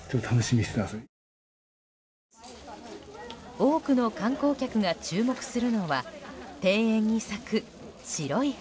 多くの観光客が注目するのは庭園に咲く白い花。